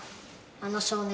あの少年。